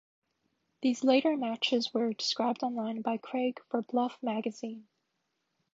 These later matches were described online by Craig for Bluff Magazine.